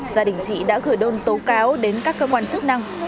gia đình chị đã gửi đơn tố cáo đến các cơ quan chức năng